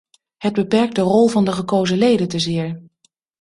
Het beperkt de rol van de gekozen leden te zeer.